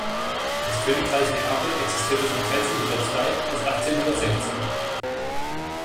Das Königreich Neapel existierte von dreizehnhundertzwei bis achtzehnhundertsechzehn.